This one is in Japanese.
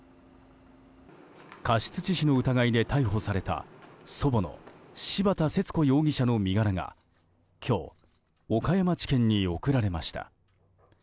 過失致死の疑いで逮捕された祖母の柴田節子容疑者の身柄が今日、岡山地検に送られました。